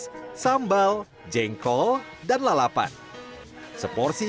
ikan cere goreng ini pas dinikmati dengan air tawar